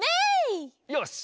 よし。